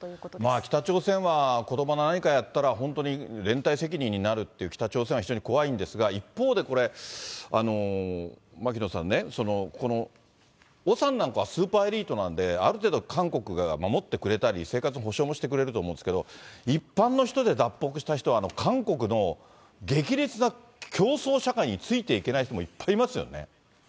北朝鮮は、子どもが何かやったら本当に連帯責任になるって、北朝鮮は非常に怖いんですが、一方でこれ、牧野さんね、このオさんなんかはスーパーエリートなんで、ある程度、韓国が守ってくれたり、生活の保障もしてくれるんと思うんですけど、一般の人で脱北した人は、韓国の激烈な競争社会についていけない人も、いっぱいいますよね。